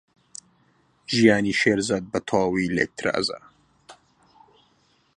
ژیانی شێرزاد بەتەواوی لێک ترازا.